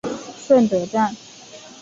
顺德站